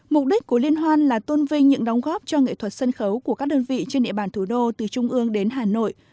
mục đích của liên hoan là tôn vinh những đóng góp cho nghệ thuật sân khấu của các đơn vị trên địa bàn thủ đô từ trung ương đến hà nội